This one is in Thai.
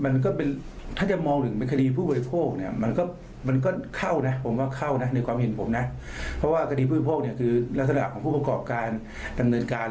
นอกจากความเป็นเจ้าของโพสต์แล้ว